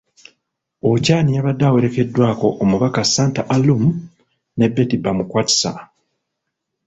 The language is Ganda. Ochan yabadde awerekeddwako omubaka Santa Alum ne Betty Bamukwatsa.